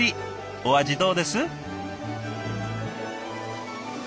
お味どうです？